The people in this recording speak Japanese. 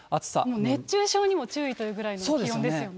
もう熱中症にも注意というぐらいの気温ですよね。